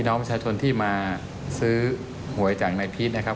ตอนนี้มีอยู่๔๕ล้านนะครับ